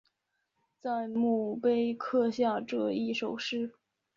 在墓碑刻下这一首诗